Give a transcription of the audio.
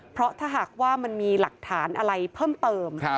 เพราะถ้าหากว่ามันมีหลักฐานอะไรเพิ่มเติม